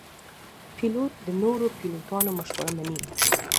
پیلوټ د نورو پیلوټانو مشوره مني.